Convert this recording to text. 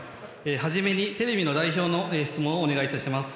初めにテレビの代表の質問をお願いします。